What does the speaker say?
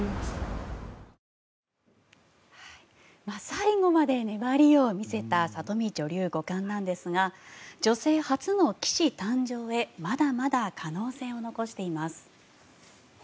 最後まで粘りを見せた里見女流五冠なんですが女性初の棋士誕生へまだまだ可能性を残しています。